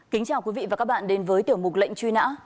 kính chào quý vị và các bạn đến với tiểu mục lệnh truy nã